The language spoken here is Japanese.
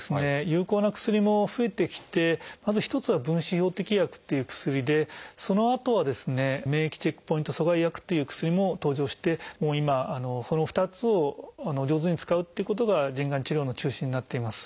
有効な薬も増えてきてまず一つは「分子標的薬」っていう薬でそのあとは「免疫チェックポイント阻害薬」という薬も登場して今その２つを上手に使うっていうことが腎がん治療の中心になっています。